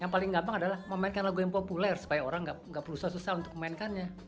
yang paling gampang adalah memainkan lagu yang populer supaya orang nggak perlu susah susah untuk memainkannya